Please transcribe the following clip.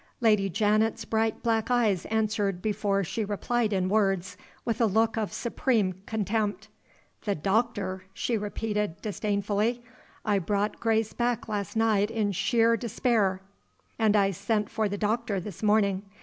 Lady Janet's bright black eyes answered before she replied in words, with a look of supreme contempt. "The doctor!" she repeated, disdainfully. "I brought Grace back last night in sheer despair, and I sent for the doctor this morning.